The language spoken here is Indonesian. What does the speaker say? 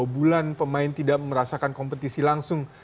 dua bulan pemain tidak merasakan kompetisi langsung